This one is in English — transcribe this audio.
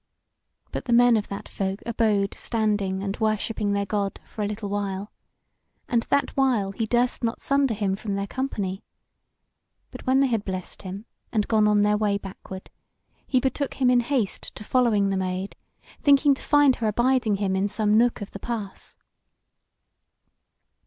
But the men of that folk abode standing and worshipping their God for a little while, and that while he durst not sunder him from their company. But when they had blessed him and gone on their way backward, he betook him in haste to following the Maid, thinking to find her abiding him in some nook of the pass.